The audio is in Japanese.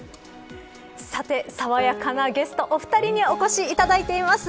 さて、さわやかなゲストお二人にお越しいただいています。